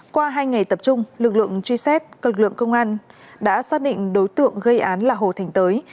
qua hai ngày tập trung lực lượng truy xét cơ lực lượng công an đã xác định đối tượng gây án là hồ thành tới